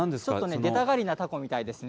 出たがりのたこみたいですね。